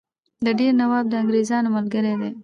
د دیر نواب د انګرېزانو ملګری دی.